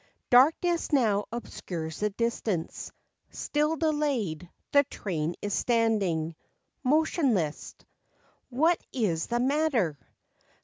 Darkness now obscures the distance; Still delayed, the train is standing Motionless. u What is the matter